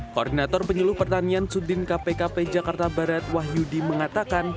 koordinator penyuluh pertanian sudin kpkp jakarta barat wahyudi mengatakan